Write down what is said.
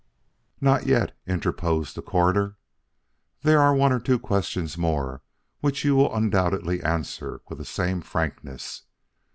"Not yet," interposed the Coroner. "There are one or two questions more which you will undoubtedly answer with the same frankness.